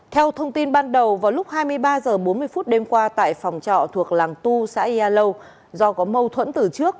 theo thông tin ban đầu vào lúc hai mươi ba h bốn mươi phút đêm qua tại phòng trọ thuộc làng tu xã yà lâu do có mâu thuẫn từ trước